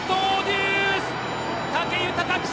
武豊騎手！